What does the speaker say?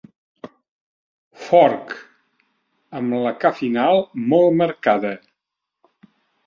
Fork», amb la ca final molt marcada.